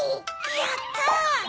やった！